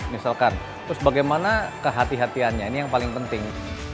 terus bagaimana kehati hatiannya ini yang paling penting